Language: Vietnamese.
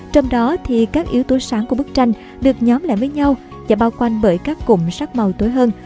trong đó thì các yếu tố sáng của bức tranh được nhóm lại với nhau và bao quanh bởi các cụm sắc màu tối hơn